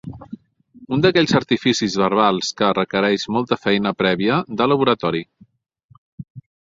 Un d'aquells artificis verbals que requereix molta feina prèvia de laboratori.